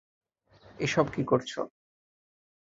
এসব কী করছ?